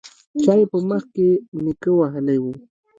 چا يې په مخ کې نيکه وهلی و.